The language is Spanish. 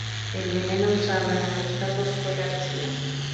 El veneno usado en ambos casos fue la ricina.